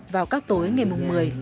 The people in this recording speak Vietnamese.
vào các tối ngày mùng một mươi